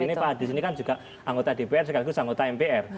ini pak adis ini kan juga anggota dpr sekaligus anggota mpr